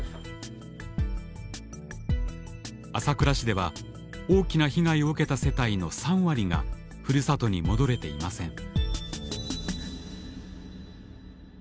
朝倉市では大きな被害を受けた世帯の３割が故郷に戻れていません。